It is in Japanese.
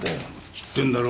知ってんだろ？